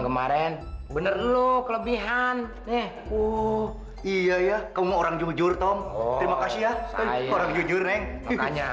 sampai jumpa di video selanjutnya